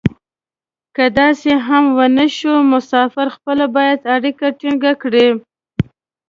که داسې هم و نه شو مسافر خپله باید اړیکې ټینګې کړي.